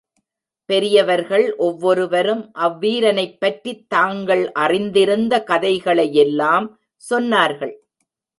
பெரியவர்கள் ஒவ்வொருவரும் அவ்வீரனைப்பற்றித் தாங்கள் அறிந்திருந்த கதைகளையெல்லாம் சொன்னார்கள்.